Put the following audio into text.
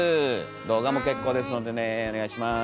動画も結構ですのでねお願いします。